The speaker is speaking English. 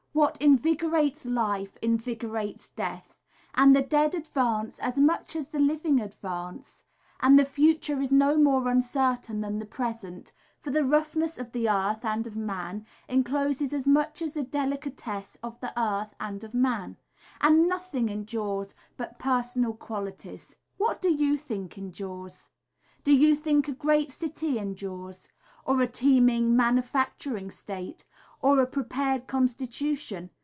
What invigorates life invigorates death, And the dead advance as much as the living advance, And the future is no more uncertain than the present, For the roughness of the earth and of man encloses as much as the delicatesse of the earth and of man, And nothing endures but personal qualities. What do you think endures? Do you think a great city endures? Or a teeming manufacturing state? or a prepared constitution?